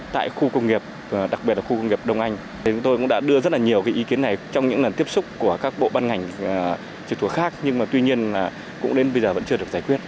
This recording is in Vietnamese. tại khu công nghiệp đặc biệt là khu công nghiệp đông anh chúng tôi cũng đã đưa rất là nhiều ý kiến này trong những lần tiếp xúc của các bộ ban ngành trực thuộc khác nhưng mà tuy nhiên cũng đến bây giờ vẫn chưa được giải quyết